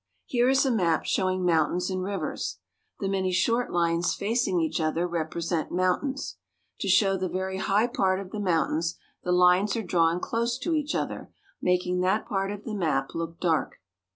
Here is a map showing mountains and rivers. The many short lines facing each other represent mountains. To show the very high part of the mountains, the lines are drawn close to each other, making that part of the map look dark.